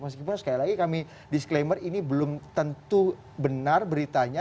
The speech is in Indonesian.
meskipun sekali lagi kami disclaimer ini belum tentu benar beritanya